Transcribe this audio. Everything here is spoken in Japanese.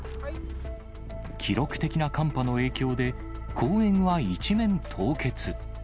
記録的な寒波の影響で、公園は一面凍結。